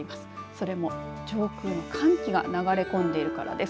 それも上空の寒気が流れ込んでいるからです。